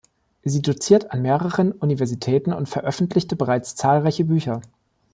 Sie doziert an mehreren Universitäten und veröffentlichte bereits zahlreiche Bücher.